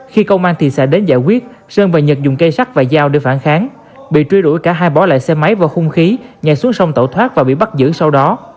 khi công an thị xã đến giải quyết sơn và nhật dùng cây sắt và dao để phản kháng bị truy đuổi cả hai bỏ lại xe máy và hung khí nhảy xuống sông tẩu thoát và bị bắt giữ sau đó